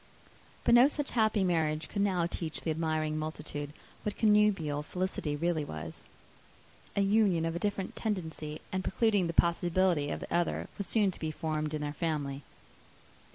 But no such happy marriage could now teach the admiring multitude what connubial felicity really was. An union of a different tendency, and precluding the possibility of the other, was soon to be formed in their family.